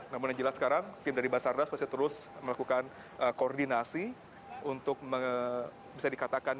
namun yang jelas sekarang tim dari basarnas masih terus melakukan koordinasi untuk bisa dikatakan